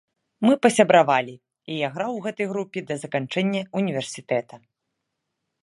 Мы пасябравалі, і я граў у гэтай групе да заканчэння ўніверсітэта.